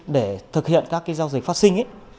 để thực hiện các giao dịch phát sinh